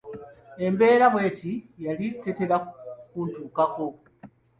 Embeera bw'eti yali tetera kuntuukako.